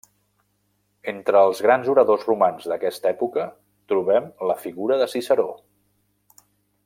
Entre els grans oradors romans d'aquesta època, trobem la figura de Ciceró.